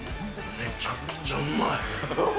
めちゃくちゃうまい。